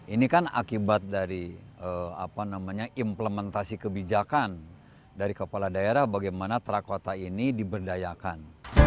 ini kan akibat dari implementasi kebijakan dari kepala daerah bagaimana terakota ini diberdayakan